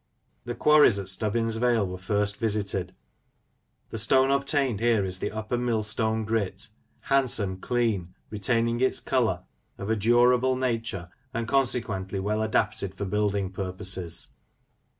The quarries at Stubbins Vale were first visited. The stone obtained here is the Upper Millstone Grit ; handsome, clean, retaining its colour, of a durable nature, and con sequently well adapted for building purposes.